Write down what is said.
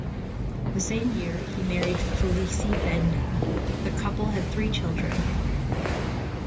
The same year, he married Felicie Benda; the couple had three children.